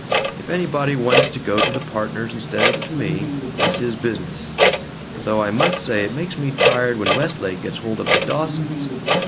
If anybody wants to go to the partners instead of to me, that's his business. Though I must say it makes me tired when Westlake gets hold of the Dawsons.